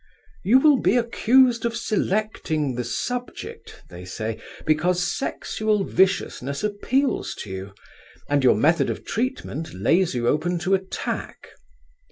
"You will be accused of selecting the subject," they say, "because sexual viciousness appeals to you, and your method of treatment lays you open to attack.